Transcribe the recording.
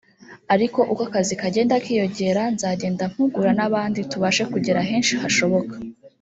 ariko uko akazi kagenda kiyongera nzagenda mpugura n’abandi tubashe kugera henshi hashoboka